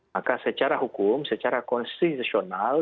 maka secara hukum secara konstitusional